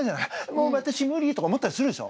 「もうわたし無理」とか思ったりするでしょ？